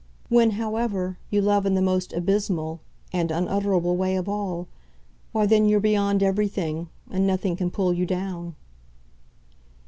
When, however, you love in the most abysmal and unutterable way of all why then you're beyond everything, and nothing can pull you down."